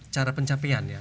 cara pencapaian ya